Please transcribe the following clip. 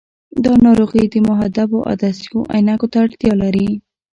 دا ناروغي د محدبو عدسیو عینکو ته اړتیا لري.